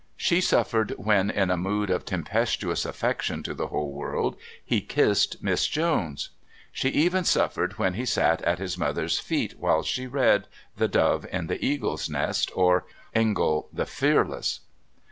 She suffered when, in a mood of tempestuous affection to the whole world, he kissed Miss Jones. She even suffered when he sat at his mother's feet whilst she read "The Dove in the Eagle's Nest," or "Engel the Fearless."